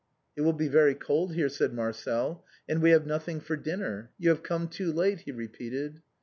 " It will be very cold here," said Marcel, "and we Ijave nothing for dinner. You have come too late," he re peated.